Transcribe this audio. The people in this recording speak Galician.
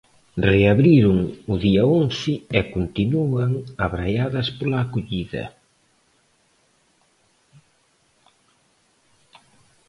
Reabriron o día once e continúan abraiadas pola acollida.